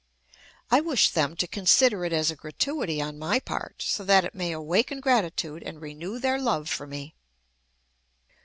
I wish them to consider it as a gratuity on my part, so that it may awaken gratitude and renew their love for me."